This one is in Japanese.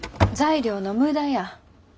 材料の無駄や。